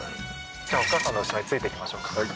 じゃあ、お母さんの後ろについていきましょうか。